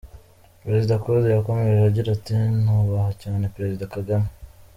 Perezida Condé yakomeje agira ati ‘‘Nubaha cyane Perezida Kagame.